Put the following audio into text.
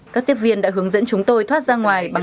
các tiếp viên đã hướng dẫn chúng tôi thoát ra ngoài